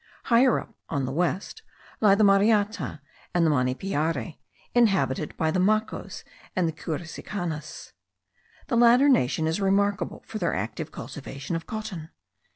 Higher up, on the west, lie the Mariata and the Manipiare, inhabited by the Macos and Curacicanas. The latter nation is remarkable for their active cultivation of cotton.